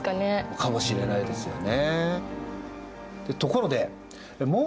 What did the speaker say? かもしれないですよね。